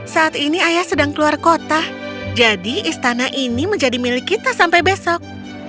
saat ini ayah sedang keluar kota jadi istana ini menjadi milik kita sampai besok